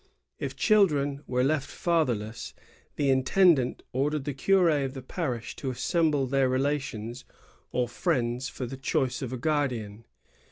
If children were left fatherless, the intendant ordered the curd of the parish to assemble their relations or friends for the choice of a guardian.